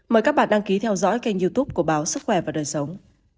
mời các bạn đăng ký theo dõi kênh youtube của báo sức khỏe và đời sống